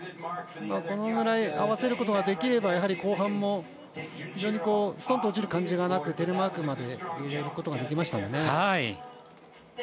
このぐらい合わせることができればやはり後半も、非常にストンと落ちる感じがなくテレマークまで入れることができましたんでね。